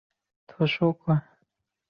包含小学部和中学部。